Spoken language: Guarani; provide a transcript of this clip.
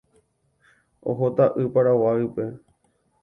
Ohóta Y Paraguaýpe.